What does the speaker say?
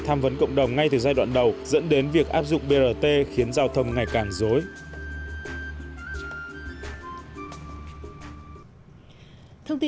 xây dựng cộng đồng ngay từ giai đoạn đầu dẫn đến việc áp dụng brt khiến giao thông ngày càng rối